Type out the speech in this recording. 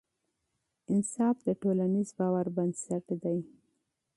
انصاف د ټولنیز باور بنسټ دی